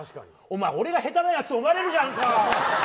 俺が下手なやつだと思われるじゃんか！